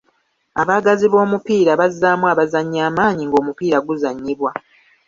Abaagazi b'omupiira bazzaamu abazannyi amaanyi ng'omupiira guzannyibwa.